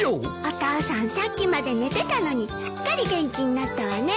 お父さんさっきまで寝てたのにすっかり元気になったわね。